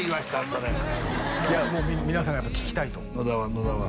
それいやもう皆さんがやっぱ聞きたいと野田は？